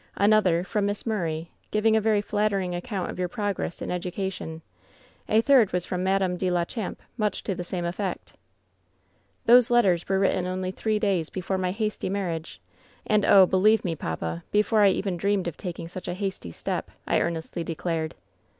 Another from Miss Murray, giving a very flattering ac count of your progress in education. A third was from Madame de la Champe, much to the same efiFect.' '* 'Those letters were written only three days before my hasty marriage, and, oh 1 believe me, papa, because I even dreamed of taking such a hasty step,' I earnestly declared.